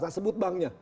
saya sebut banknya